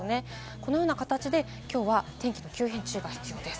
このような形で、きょうは天気急変に注意が必要です。